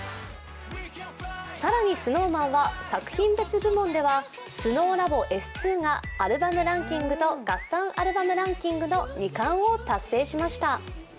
更にＳｎｏｗＭａｎは作品別部門では「ＳｎｏｗＬａｂｏ．Ｓ２」がアルバムランキングと合算アルバムランキングの２冠を達成しました。